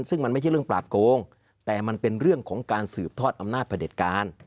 ซึ่งมันไม่ใช่เรื่องปราบโกงแต่มันเป็นเรื่องของการสืบทอดอำนาจประเด็จการ